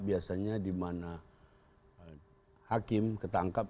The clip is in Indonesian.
biasanya di mana hakim ketangkap